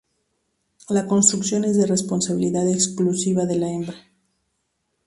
La construcción es de responsabilidad exclusiva de la hembra.